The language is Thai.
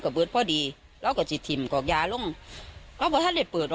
มัยมัยมาพนเห็นคนัดว่าต้องเปิด